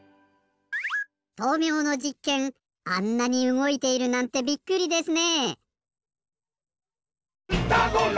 豆苗のじっけんあんなにうごいているなんてびっくりですね。